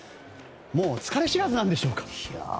疲れ知らずなんでしょうか。